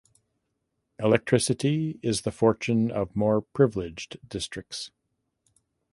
Electricity is the fortune of more privileged districts.